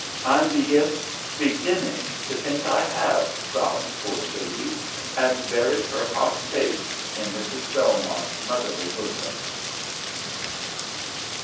"I'm begin beginning to think I have," sobbed poor Sadie, and buried her hot face in Mrs. Belmont's motherly bosom.